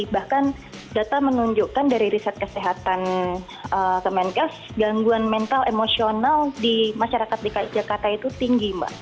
bahkan data menunjukkan dari riset kesehatan kemenkes gangguan mental emosional di masyarakat dki jakarta itu tinggi mbak